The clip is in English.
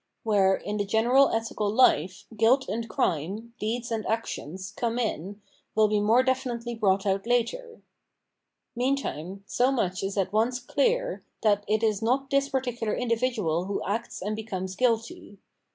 Where, in the general ethical hfe, guilt and crime, deeds and actions. VOL. n. — E 466 Pheyiomenology of Mind come in, will be more definitely brought out later. Meantime, so much is at once clear, that it is not this particular individual who acts and becomes guilty.